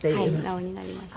奈緒になりました。